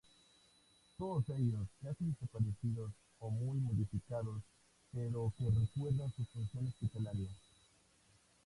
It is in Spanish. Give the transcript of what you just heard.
Todos ellos casi desaparecidos o muy modificados pero que recuerdan su función hospitalaria.